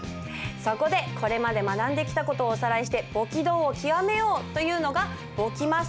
そこでこれまで学んできた事をおさらいして簿記道を極めようというのが「簿記マスターへの道」です。